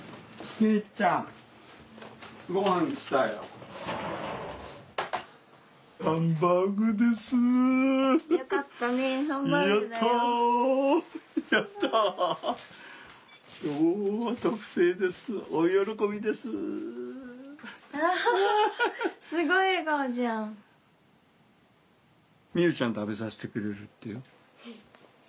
美夢ちゃん食べさせてくれるってよ。